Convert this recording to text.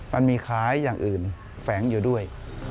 มันมีคล้ายอย่างอื่นแฝงอยู่ด้วย